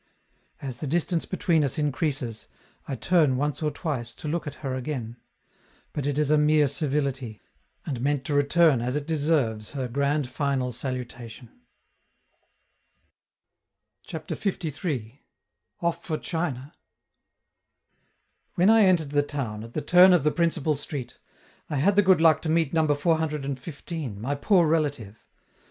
As the distance between us increases, I turn once or twice to look at her again; but it is a mere civility, and meant to return as it deserves her grand final salutation. CHAPTER LIII. OFF FOR CHINA When I entered the town, at the turn of the principal street, I had the good luck to meet Number 415, my poor relative.